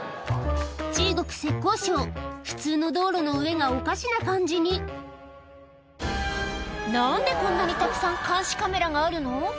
中国浙江省普通の道路の上がおかしな感じに何でこんなにたくさん監視カメラがあるの？